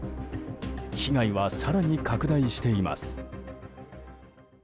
被害は更に拡大しています。